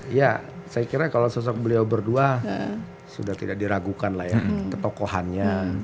iya saya kira kalau sosok beliau berdua sudah tidak diragukan lah ya ketokohannya